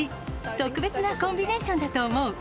特別なコンビネーションだと思う。